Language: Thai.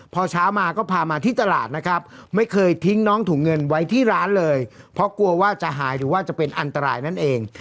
พอเช้ามาก็พามาที่ตลาดนะครับไม่เคยทิ้งน้องถุงเงินไว้ที่ร้านเลยเพราะกลัวว่าจะหายหรือว่าจะเป็นอันตรายนั่นเอง